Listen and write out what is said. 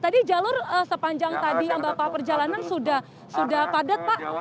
tadi jalur sepanjang tadi yang bapak perjalanan sudah padat pak